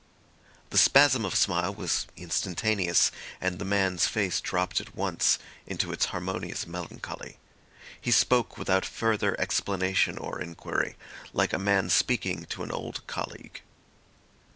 The spasm of smile was instantaneous, and the man's face dropped at once into its harmonious melancholy. He spoke without further explanation or inquiry, like a man speaking to an old colleague.